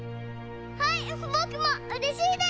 はいボクもうれしいです。